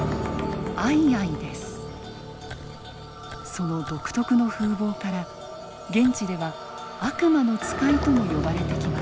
その独特の風貌から現地では悪魔の使いとも呼ばれてきました。